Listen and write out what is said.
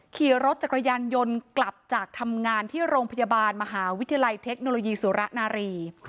ขี่รถจักรยานยนต์กลับจากทำงานที่โรงพยาบาลมหาวิทยาลัยเทคโนโลยีสุระนารี